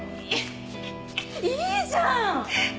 いいじゃん！